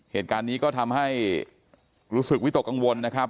เหตุการณ์นี้ก็ทำให้รู้สึกวิตกกังวลนะครับ